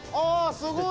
すごい